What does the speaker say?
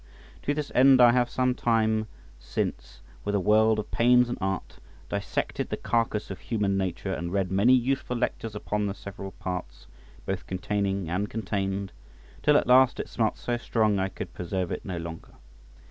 To this end I have some time since, with a world of pains and art, dissected the carcass of human nature, and read many useful lectures upon the several parts, both containing and contained, till at last it smelt so strong I could preserve it no longer.